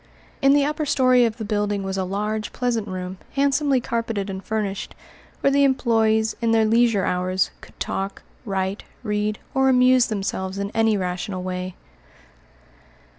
In the upper story of the building was a large, pleasant room, handsomely carpeted and furnished, where the employés, in their leisure hours, could talk, write, read, or amuse themselves in any rational way.